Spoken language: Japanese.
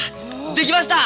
できました！